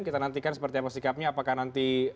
kita nantikan seperti apa sikapnya apakah nanti